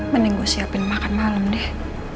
mending gue siapin makan malam deh